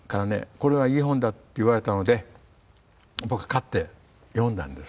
「これはいい本だ」って言われたので僕買って読んだんです。